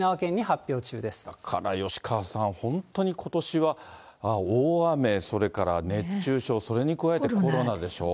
だから吉川さん、本当にことしは、大雨、それから熱中症、それに加えてコロナでしょ。